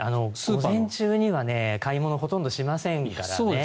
午前中には買い物ほとんどしませんからね。